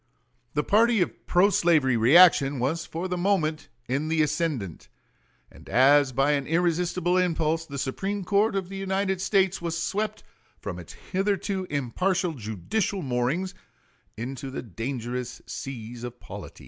The party of pro slavery reaction was for the moment in the ascendant; and as by an irresistible impulse, the Supreme Court of the United States was swept from its hitherto impartial judicial moorings into the dangerous seas of polities.